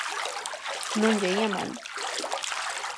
Non lle ía mal.